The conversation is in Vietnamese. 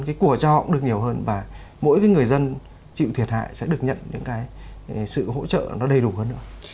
cái của cho cũng được nhiều hơn và mỗi cái người dân chịu thiệt hại sẽ được nhận những cái sự hỗ trợ nó đầy đủ hơn nữa